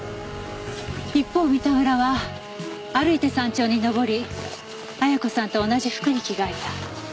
一方三田村は歩いて山頂に登り亜矢子さんと同じ服に着替えた。